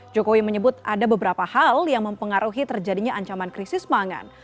jokowi menyebut ada beberapa hal yang mempengaruhi terjadinya ancaman krisis pangan